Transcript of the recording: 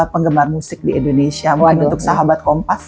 penggemar musik di indonesia bukan untuk sahabat kompas